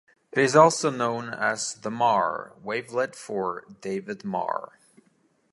It is also known as the Marr wavelet for David Marr.